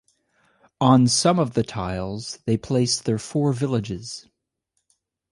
On some of the tiles they place their four villages.